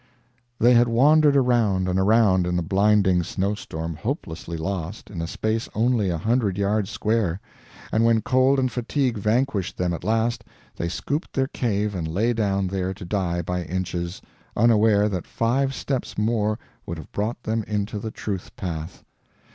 They had wandered around, and around, in the blinding snow storm, hopelessly lost, in a space only a hundred yards square; and when cold and fatigue vanquished them at last, they scooped their cave and lay down there to die by inches, UNAWARE THAT FIVE STEPS MORE WOULD HAVE BROUGHT THEM INTO THE TRUTH PATH.